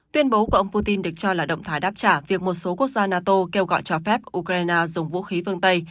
tuyên bố của ông putin được cho là động thái đáp trả việc một số quốc gia nato kêu gọi cho phép ukraine dùng vũ khí phương tây